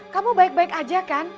kamu baik baik aja kan